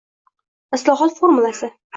Islohot formulasi.